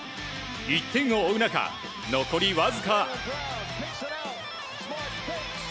１点を追う中、残りわずか。